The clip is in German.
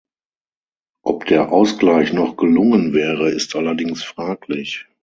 Ob der Ausgleich noch gelungen wäre ist allerdings fraglich.